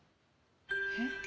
えっ？